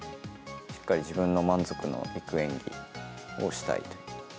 しっかり自分の満足のいく演技をしたい。